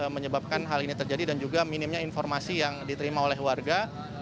menyebabkan hal ini terjadi dan juga minimnya informasi yang diterima oleh warga